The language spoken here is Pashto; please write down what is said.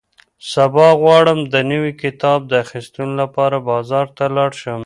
سبا غواړم د نوي کتاب د اخیستلو لپاره بازار ته لاړ شم.